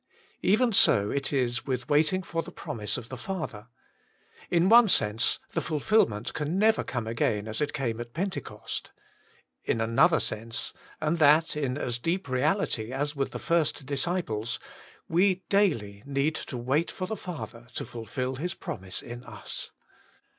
Even so it is with waiting for the promise of the Father In one sense, the fulfilment can never come again as it came at Pentecost. In another sense, and that in as deep reality as with the first disciples, we daily need to wait for the Father to fulfil His promise in us.